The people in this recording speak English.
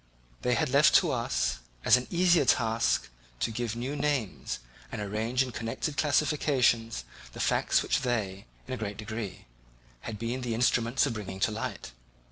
They had left to us, as an easier task, to give new names and arrange in connected classifications the facts which they in a great degree had been the instruments of bringing to light.